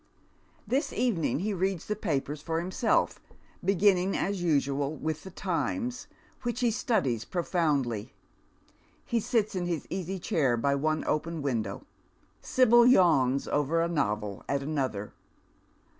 This evening he reads the papers for himself, beginning, as usual, with the Times, which he studies profoundly. He sits in bis easy chair by one open window. Sibyl yawns over a novel at another.